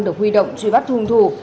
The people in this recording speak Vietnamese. được huy động truy bắt hùng thủ